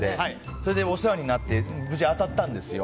それでお世話になって無事当たったんですよ。